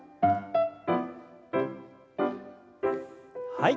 はい。